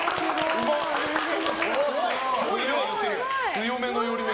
強めの寄り目。